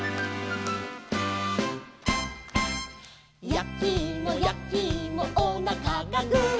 「やきいもやきいもおなかがグー」